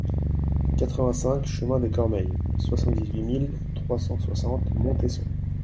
quatre-vingt-cinq chemin de Cormeilles, soixante-dix-huit mille trois cent soixante Montesson